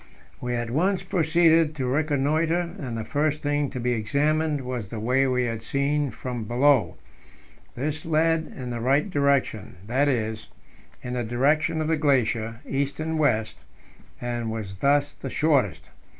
We at once proceeded to reconnoitre, and the first thing to be examined was the way we had seen from below. This led in the right direction that is, in the direction of the glacier, east and west and was thus the shortest.